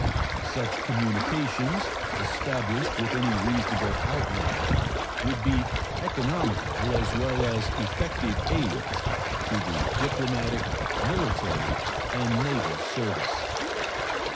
Such communications, established with any reasonable outlay, would be economical as well as effective aids to the diplomatic, military, and naval service.